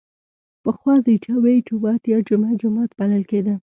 پخوا د جمعې جومات یا جمعه جومات بلل کیده.